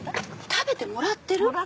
食べてもらってる？